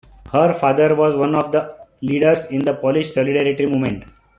Her father was one of the leaders in the Polish Solidarity movement.